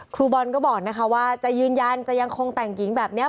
ครูบอลก็บอกนะคะว่าจะยืนยันจะยังคงแต่งหญิงแบบนี้